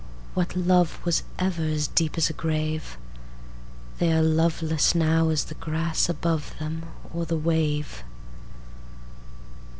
What love was ever as deep as a grave? They are loveless now as the grass above themOr the wave.